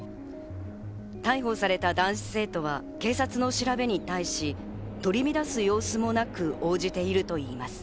逮捕された男子生徒は警察の調べに対し、取り乱す様子もなく応じているといいます。